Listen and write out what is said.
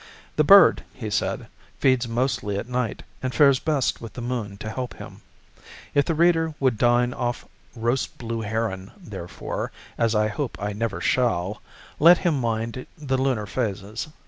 The bird, he said, feeds mostly at night, and fares best with the moon to help him. If the reader would dine off roast blue heron, therefore, as I hope I never shall, let him mind the lunar phases.